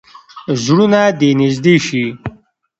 زړونه دې نږدې شي.